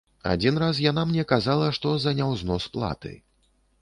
Адзін раз яна мне казала, што за няўзнос платы.